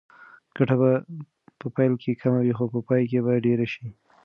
ګټه به په پیل کې کمه وي خو په پای کې به ډېره شي.